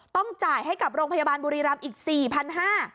ต้องจ่ายให้กับโรงพยาบาลบุรีรำอีก๔๕๐๐บาท